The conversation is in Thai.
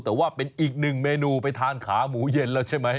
แต่ว่าเป็นอีกหนึ่งเมนูไปทานขาหมูเย็นแล้วใช่ไหม